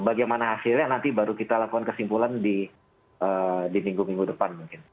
bagaimana hasilnya nanti baru kita lakukan kesimpulan di minggu minggu depan mungkin